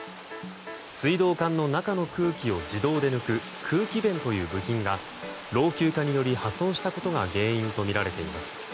水道管の中の空気を自動で抜く空気弁という部品が老朽化により破損したことが原因とみられています。